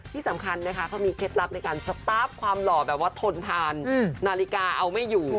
ที่สำคัญนะคะเขามีเคล็ดลับในการสตาร์ฟความหล่อแบบว่าทนทานนาฬิกาเอาไม่อยู่